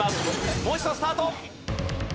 もう一度スタート。